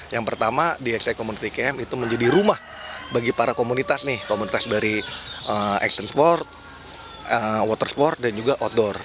yang pertama dx community camp itu menjadi rumah bagi para komunitas nih komunitas dari action sport water sport dan juga outdoor